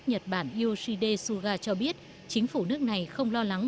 nhật bản yoshide suga cho biết chính phủ nước này không lo lắng